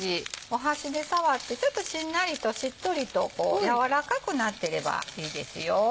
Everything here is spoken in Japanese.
箸で触ってちょっとしんなりとしっとりと軟らかくなってればいいですよ。